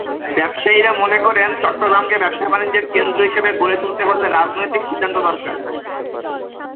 ব্যবসায়ীরা মনে করেন, চট্টগ্রামকে ব্যবসা-বাণিজ্যের কেন্দ্র হিসেবে গড়ে তুলতে হলে রাজনৈতিক সিদ্ধান্ত দরকার।